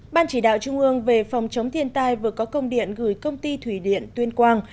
ban chỉ đạo trung ương về phòng chống thiên tai vừa có công điện gửi công ty thủy điện tuyên quang